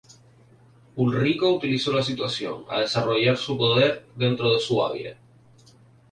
Ulrico usó la situación, a desarrollar su poder dentro de Suabia.